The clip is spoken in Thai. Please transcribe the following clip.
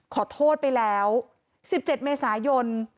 ขอโทษไปแล้ว๑๗เมษายน